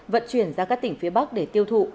vận chuyển ra các tỉnh phía bắc để tiêu thụ